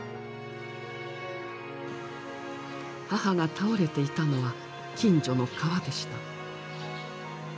母が倒れていたのは近所の川でした。